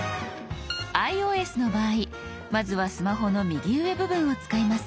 ｉＯＳの場合まずはスマホの右上部分を使います。